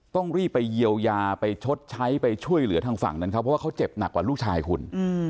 ต้องรีบไปเยียวยาไปชดใช้ไปช่วยเหลือทางฝั่งนั้นเขาเพราะว่าเขาเจ็บหนักกว่าลูกชายคุณ